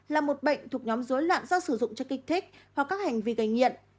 là một bệnh thuộc nhóm dối loạn do sử dụng cho kích thích hoặc các hành vi gây nghiện